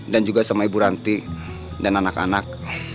dan juga sama ibu ranti dan anak anak